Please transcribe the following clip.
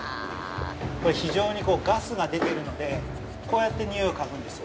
◆非常にガスが出てるのでこうやってにおいを嗅ぐんです。